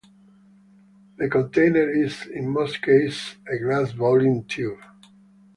The container is, in most cases, a glass boiling tube.